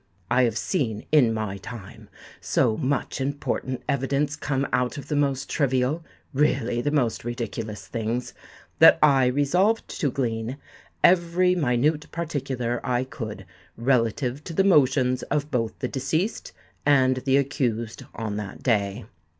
I have seen, in my time, so much important evidence come out of the most trivial—really the most ridiculous things, that I resolved to glean every minute particular I could relative to the motions of both the deceased and the accused on that day.